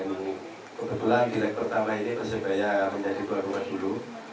dan kebetulan di leg pertama ini persebaya menjadi berpengaruh dulu